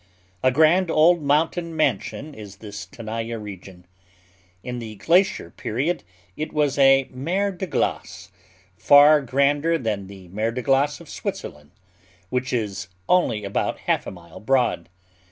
A grand old mountain mansion is this Tenaya region! In the glacier period it was a mer de glace, far grander than the mer de glace of Switzerland, which is only about half a mile broad.